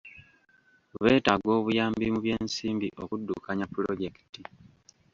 Beetaaga obuyambi mu by'ensimbi okuddukanya pulojekiti.